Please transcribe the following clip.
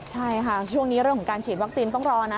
ใช่ค่ะช่วงนี้เรื่องของการฉีดวัคซีนต้องรอนะ